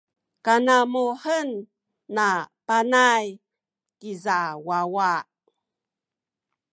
kanamuhen na Panay kiza wawa.